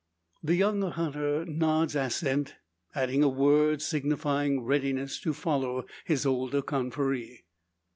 The younger hunter nods assent, adding a word, signifying readiness to follow his older confrere.